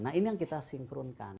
nah ini yang kita sinkronkan